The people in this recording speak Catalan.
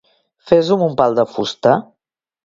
Fes-ho amb un pal de fusta.